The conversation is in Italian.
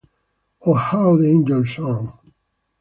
O how the angels sang.